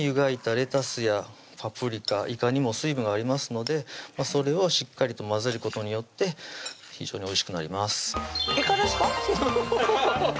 レタスやパプリカ・いかにも水分がありますのでそれをしっかりと混ぜることによって非常においしくなりますイカですか？